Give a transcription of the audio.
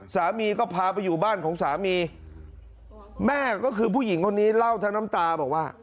สามีก็พาไปอยู่บ้านของสามีแม่ก็คือผู้หญิงคนนี้เล่าทั้งน้ำตาบอกว่า